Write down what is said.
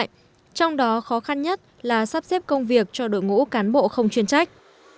trong đó khó khăn nhất là sắp xếp công việc cho đội ngũ cán bộ không chuyên trách